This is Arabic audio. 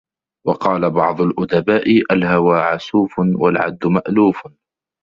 وَقَالَ بَعْضُ الْأُدَبَاءِ الْهَوَى عَسُوفٌ ، وَالْعَدْلُ مَأْلُوفٌ